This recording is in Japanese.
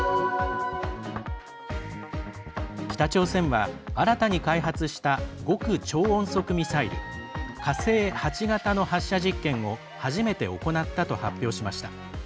北朝鮮は新たに開発した極超音速ミサイル火星８型の発射実験を初めて行ったと発表しました。